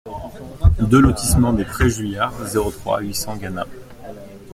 deux lotissement des Prés Juliards, zéro trois, huit cents Gannat